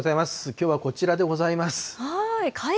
きょうはこちらでございます。